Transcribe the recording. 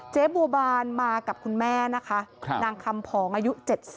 เจ๊บัวบานมากับคุณแม่นะคะนางคำผองอายุ๗๐